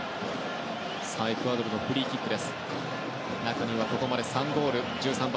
エクアドルのフリーキック。